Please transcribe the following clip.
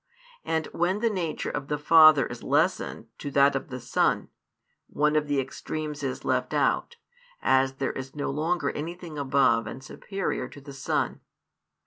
And when the nature of the Father is lessened to that of the Son, one of the extremes is left out, as |357 there is no longer anything above and superior to the Son.